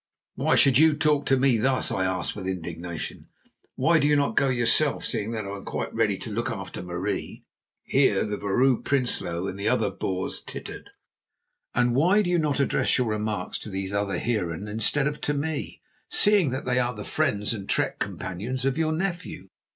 "Why should you talk to me thus?" I asked with indignation. "Why do you not go yourself, seeing that I am quite ready to look after Marie?" (Here the Vrouw Prinsloo and the other Boers tittered.) "And why do you not address your remarks to these other heeren instead of to me, seeing that they are the friends and trek companions of your nephew?"